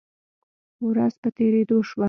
ورځ په تیریدو شوه